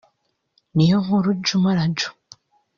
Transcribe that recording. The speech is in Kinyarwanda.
Niyonkuru Djuma Radju